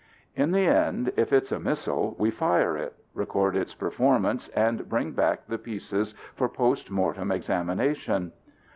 In the end, if it's a missile, we fire it, record its performance and bring back the pieces for post mortem examination.